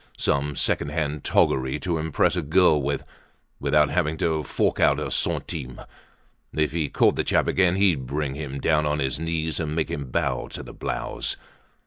Some second hand toggery to impress a girl with, without having to fork out a centime. If he caught the chap again, he'd bring him down on his knees and make him bow to the blouse.